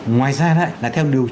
ngoài ra theo điều trị